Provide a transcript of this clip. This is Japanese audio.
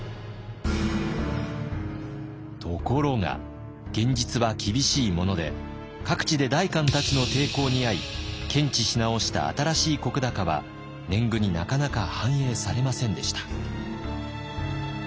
ところが現実は厳しいもので各地で代官たちの抵抗に遭い検地し直した新しい石高は年貢になかなか反映されませんでした。